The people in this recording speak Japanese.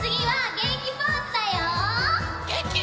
げんき！